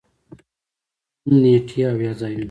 نوم، نېټې او یا ځايونه